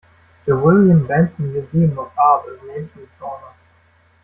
The William Benton Museum of Art is named in his honor.